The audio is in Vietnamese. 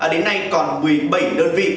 đến nay còn một mươi bảy đơn vị